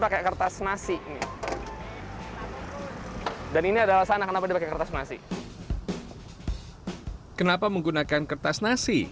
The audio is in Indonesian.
pakai kertas nasi dan ini adalah sana kenapa dipakai kertas nasi kenapa menggunakan kertas nasi